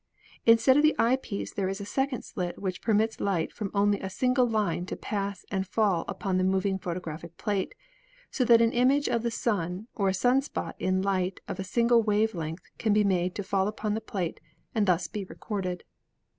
In stead of the eyepiece there is a second slit which permits light from only a single line to pass and fall on the moving photographic plate, so that an image of the Sun, or a sun spot in light of a single wave length, can be made to fall upon the plate and thus be recorded.